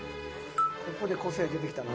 ここで個性出てきたな。